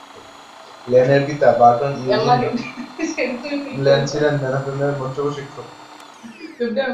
লেনের পিতা Burton Eugene Lane ছিলেন ম্যানহাটনের মঞ্চ প্রশিক্ষক।